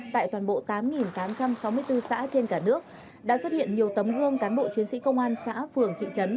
tại toàn bộ tám tám trăm sáu mươi bốn xã trên cả nước đã xuất hiện nhiều tấm gương cán bộ chiến sĩ công an xã phường thị trấn